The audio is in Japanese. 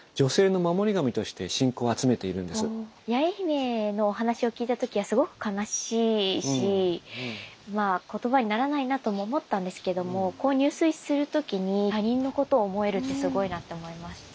そのことからこの八重姫は八重姫の話を聞いた時はすごく悲しいし言葉にならないなとも思ったんですけども入水する時に他人のことを思えるってすごいなと思いましたね。